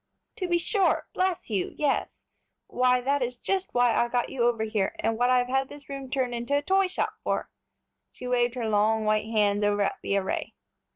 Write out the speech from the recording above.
"To be sure, bless you, yes; why, that is just why I got you over here, and what I've had this room turned into a toy shop for." She waved her long, white hands over at the array.